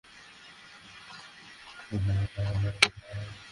তখন বালিকা লজ্জায় ক্রোধে ক্ষিপ্ত হইয়া উঠিয়া ঘর হইতে দ্রুতবেগে ছুটিয়া বাহির হইয়া গেল।